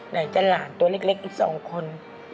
ไหนจะหลานตัวเล็กอีก๒คน